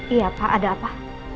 iya pak ada apa